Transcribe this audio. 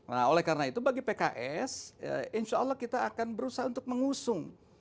nah oleh karena itu bagi pks insya allah kita akan berusaha untuk mengusung